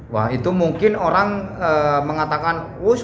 wah itu mungkin orang mengatakan wush